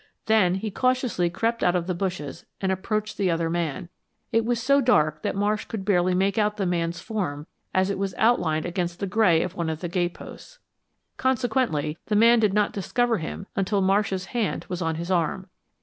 Then he cautiously crept out of the bushes and approached the other man. It was so dark that Marsh could barely make out the man's form as it was outlined against the gray of one of the gateposts. Consequently, the man did not discover him until Marsh's hand was on his arm.